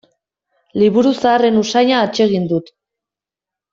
Liburu zaharren usaina atsegin dut.